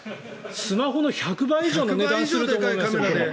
スマホの１００倍以上の値段すると思うけど。